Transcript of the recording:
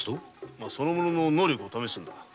その者の能力を試すんだ。